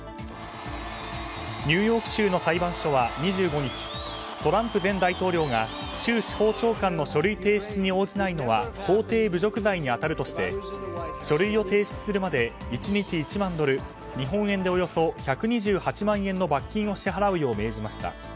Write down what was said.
ニューヨーク州の裁判所は２５日トランプ前大統領が州司法長官の書類提出に法廷侮辱罪に当たるとして書類を提出するまで１日１万ドル日本円でおよそ１２８万円の罰金を支払うよう命じました。